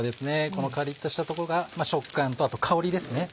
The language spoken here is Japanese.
このカリっとしたとこが食感とあと香りですね